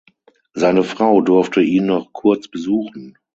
Seine Frau durfte ihn noch kurz besuchen.